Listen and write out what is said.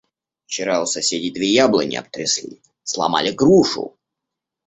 – Вчера у соседей две яблони обтрясли, сломали грушу.